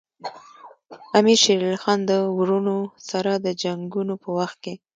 امیر شېر علي خان د وروڼو سره د جنګونو په وخت کې.